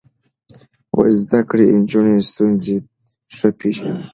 زده کړې نجونې ستونزې ښه پېژني.